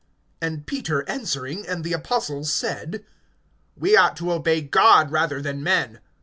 (29)And Peter answering, and the apostles, said: We ought to obey God rather than men.